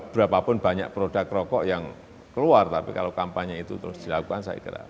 berapapun banyak produk rokok yang keluar tapi kalau kampanye itu terus dilakukan saya kira